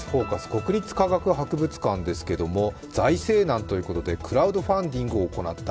国立科学博物館ですけれども財政難ということでクラウドファンディングを行った。